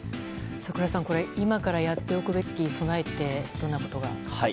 櫻井さん、今からやっておくべき備えってどんなことが？